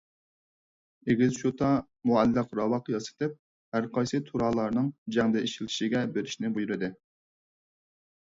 ئېگىز شوتا، مۇئەللەق راۋاق ياسىتىپ، ھەرقايسى تۇرالارنىڭ جەڭدە ئىشلىتىشىگە بېرىشنى بۇيرۇدى.